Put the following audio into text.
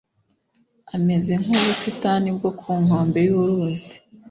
ameze nk’ubusitani bwo ku nkombe y’uruzi.